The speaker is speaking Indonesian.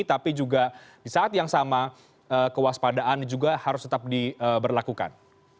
tapi juga di saat yang sama kewaspadaan juga harus tetap diberlakukan